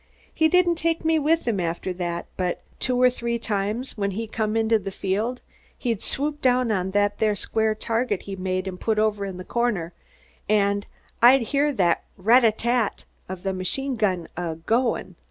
He didn't take me with him after that, but two or three times when he come into the field he'd swoop down on that there square target he made and put over in the corner and I'd hear the ratti tat tat of that machine gun a goin'.